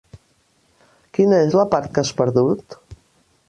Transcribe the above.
Quina és la part que has perdut?